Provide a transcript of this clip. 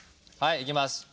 はい。いきます。